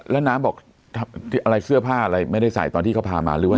แล้วน้ำบอกอะไรเสื้อผ้าอะไรไม่ได้ใส่ตอนที่เขาพามาหรือว่า